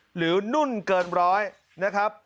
นุ่นเกินร้อยนะครับ